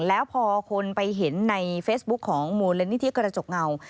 แล้วพอคนไปเห็นในเฟซบุ๊คของมูลนิธิกระจกเงา